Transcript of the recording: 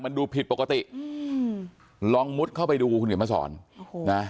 มันดูผิดปกติลองมุดเข้าไปดูคุณเกมสอน